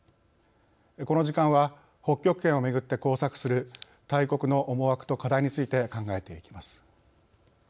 この時間は北極圏をめぐって交錯する大国の思惑と課題について考えていきます。